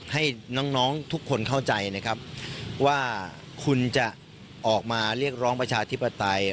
ให้น้องทุกคนเข้าใจนะครับว่าคุณจะออกมาเรียกร้องประชาธิปไตย